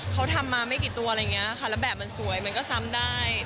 เขาทำมาไม่กี่ตัวอะไรอย่างนี้ค่ะแล้วแบบมันสวยมันก็ซ้ำได้